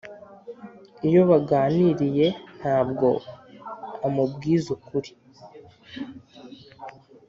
Iyo baganiriye ntabwo amubwiza ukuri